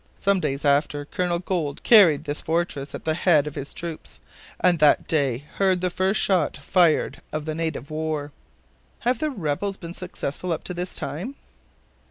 Some days after Colonel Gold carried this fortress at the head of his troops, and that day heard the first shot fired of the native war." "Have the rebels been successful up to this time?"